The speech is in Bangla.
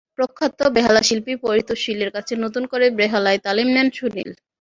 প্রখ্যাত বেহালাশিল্পী পরিতোষ শীলের কাছে নতুন করে বেহালায় তালিম নেন সুনীল।